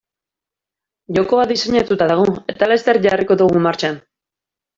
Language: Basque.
Jokoa diseinatuta dago eta laster jarriko dugu martxan.